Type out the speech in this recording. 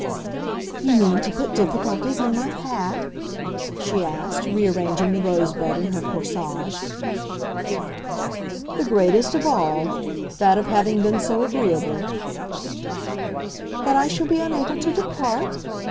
"You mean to put difficulties in my path?" she asked, rearranging the rosebud in her corsage. "The greatest of all—that of having been so agreeable——" "That I shall be unable to depart?